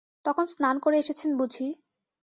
তখন স্নান করে এসেছেন বুঝি?